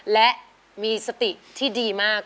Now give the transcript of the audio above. และมีสติที่ดีมาก